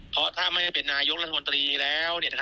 เพราะถ้าไม่ได้เป็นนายกรัฐมนตรีแล้ว